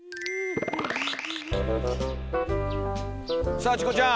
さあチコちゃん。